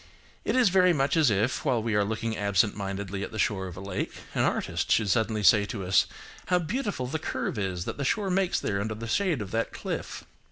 It is very much as if, while we are looking absent mindedly at the shore of a lake, an artist should suddenly say to us–"How beautiful the curve is that the shore makes there under the shade of that cliff."